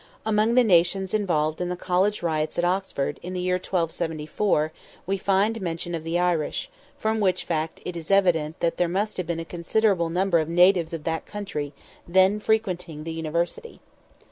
Among the "nations" involved in the college riots at Oxford, in the year 1274, we find mention of the Irish, from which fact it is evident there must have been a considerable number of natives of that country, then frequenting the University.